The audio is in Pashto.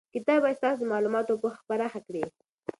کتاب باید ستاسو معلومات او پوهه پراخه کړي.